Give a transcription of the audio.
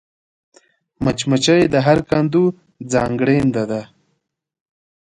مچمچۍ د هر کندو ځانګړېنده ده